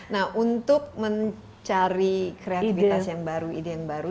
nah untuk mencari kreativitas yang baru ide yang baru